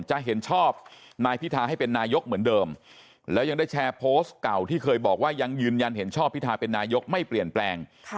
จะเห็นชอบนายพิธาให้เป็นนายกเหมือนเดิมแล้วยังได้แชร์โพสต์เก่าที่เคยบอกว่ายังยืนยันเห็นชอบพิทาเป็นนายกไม่เปลี่ยนแปลง